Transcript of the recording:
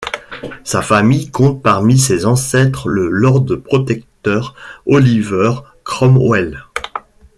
Sa famille compte parmi ses ancêtres le Lord Protecteur Oliver Cromwell.